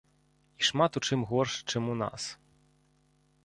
І шмат у чым горш, чым у нас.